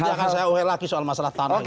nanti akan saya ureg lagi soal masalah tanah